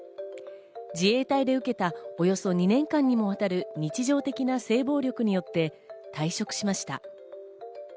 自衛隊で受けた、およそ２年間にもわたる日常的な性暴力によって退職しました。